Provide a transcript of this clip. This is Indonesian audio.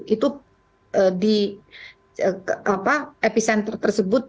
itu di epicenter tersebut